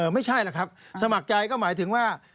ไม่ใช่หรอกครับสมัครใจก็หมายถึงว่า